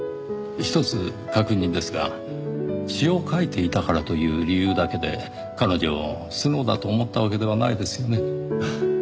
ひとつ確認ですが詩を書いていたからという理由だけで彼女をスノウだと思ったわけではないですよね？